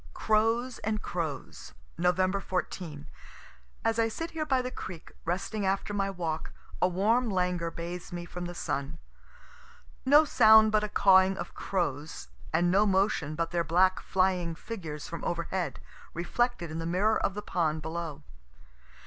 CROWS AND CROWS Nov. 14. As I sit here by the creek, resting after my walk, a warm languor bathes me from the sun. No sound but a cawing of crows, and no motion but their black flying figures from over head, reflected in the mirror of the pond below.